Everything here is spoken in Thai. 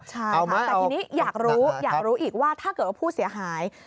ใช่ค่ะแต่ทีนี้อยากรู้อยากรู้อีกว่าถ้าเกิดว่าผู้เสียหาย